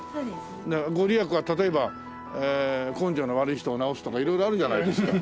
御利益が例えば根性の悪い人を直すとか色々あるじゃないですか。